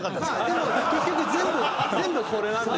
でも結局全部全部これなんですよね。